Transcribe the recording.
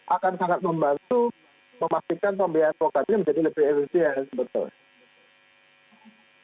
akan sangat membantu memastikan pembayaran vokalnya menjadi lebih efisien